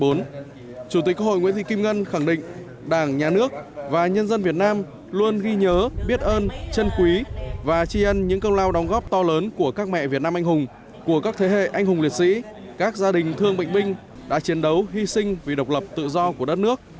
chủ tịch quốc hội nguyễn thị kim ngân khẳng định đảng nhà nước và nhân dân việt nam luôn ghi nhớ biết ơn chân quý và tri ân những công lao đóng góp to lớn của các mẹ việt nam anh hùng của các thế hệ anh hùng liệt sĩ các gia đình thương bệnh binh đã chiến đấu hy sinh vì độc lập tự do của đất nước